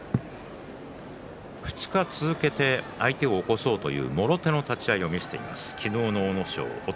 ２日続けて相手を起こそうというもろての立ち合いを見せています。